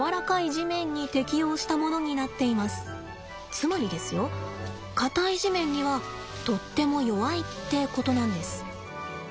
つまりですよ硬い地面にはとっても弱いってことなんです。